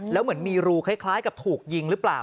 แล้วเหมือนมีรูคล้ายกับถูกยิงหรือเปล่า